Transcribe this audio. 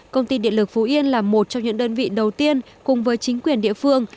công ty điện lực phú yên là một trong những đơn vị đầu tiên cùng với chính quyền địa phương